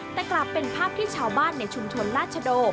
แต่กลับเป็นภาพที่ชาวบ้านในชุมชนราชโด